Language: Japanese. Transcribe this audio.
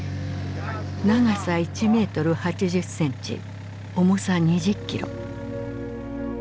長さ１メートル８０センチ重さ２０キロ。